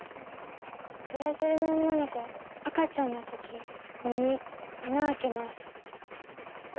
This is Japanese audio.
ブラジルの女の子赤ちゃんの時耳あな開けます。え？